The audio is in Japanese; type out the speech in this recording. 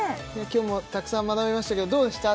今日もたくさん学びましたけどどうでした？